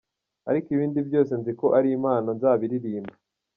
Ariko ibindi byose nziko ari impano nzabiririmba .